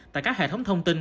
tại các hệ thống thông tin